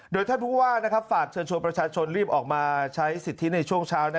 โดยท่านผู้ว่าฝากเชิญชวนประชาชนรีบออกมาใช้สิทธิในช่วงเช้า